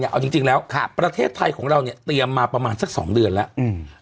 เอาจริงแล้วประเทศไทยของเราเนี่ยเตรียมมาประมาณสัก๒เดือนแล้ว